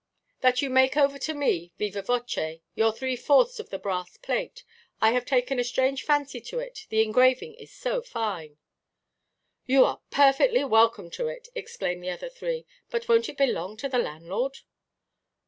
"That you make over to me, vivâ voce, your three–fourths of the brass–plate. I have taken a strange fancy to it; the engraving is so fine." "You are perfectly welcome to it," exclaimed the other three; "but wonʼt it belong to the landlord?"